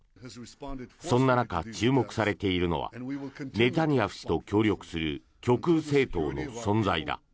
そんな中、注目されているのはネタニヤフ氏と協力する極右政党の存在だ。